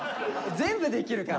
全部できるから。